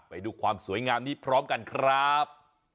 ไปดูความสวยงามนี้พร้อมกันครับ